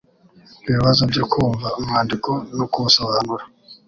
ibibazo byo kumva umwandiko no kuwusobanura